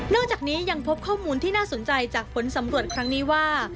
จากนี้ยังพบข้อมูลที่น่าสนใจจากผลสำรวจครั้งนี้ว่า